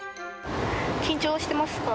緊張してますか？